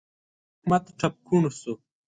احمد ټپ کوڼ شو.